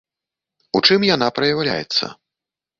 У чым яна праяўляецца?